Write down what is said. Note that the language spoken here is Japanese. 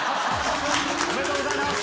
おめでとうございます。